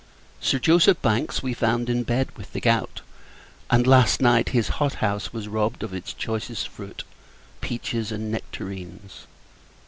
Sir Joseph Bankes we found in bed with the gout: and, last night, his hot house was robbed of its choicest fruit peaches and nectarines.